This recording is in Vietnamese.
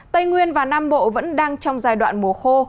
tây nguyên và nam bộ vẫn đang trong giai đoạn mùa khô